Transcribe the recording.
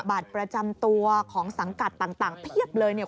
บัตรประจำตัวของสังกัดต่างเพียบเลยเนี่ย